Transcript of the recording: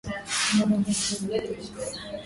Dadangu amerudi nyumbani.